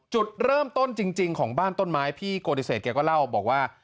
จุดเริ่มต้นจริงของบ้านต้นไม้พี่โกติเศษแกก็เล่าบอกว่า